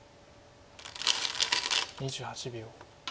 ２８秒。